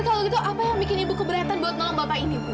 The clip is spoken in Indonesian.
ya tapi kalau gitu apa yang bikin ibu keberatan untuk menolong bapak ini bu